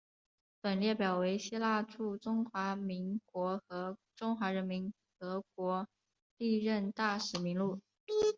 本列表为希腊驻中华民国和中华人民共和国历任大使名录。